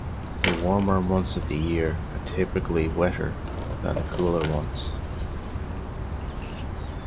The warmer months of the year are typically wetter than the cooler ones.